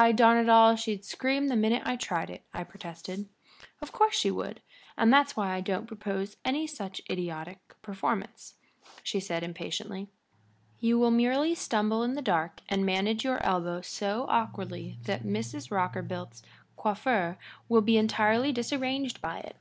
Why, darn it all, she'd scream the minute I tried it," I protested. "Of course she would," said she, impatiently. "And that is why I don't propose any such idiotic performance. You will merely stumble in the dark and manage your elbow so awkwardly that Mrs. Rockerbilt's coiffure will be entirely disarranged by it.